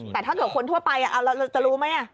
แต่ถ้าเกิดคนทั่วไปเราจะรู้ไหม